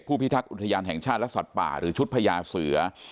พิทักษ์อุทยานแห่งชาติและสัตว์ป่าหรือชุดพญาเสือ